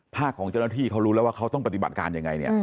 ภาคของเจ้าหน้าที่เขารู้แล้วว่าเขาต้องปฏิบัติการอย่างไร